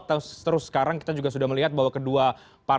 terus sekarang kita juga sudah melihat bahwa